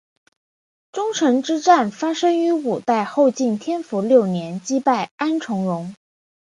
宗城之战发生于五代后晋天福六年击败安重荣。